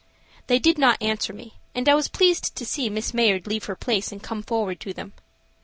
They did not answer me, and I was pleased to see Miss Mayard leave her place and come forward to them.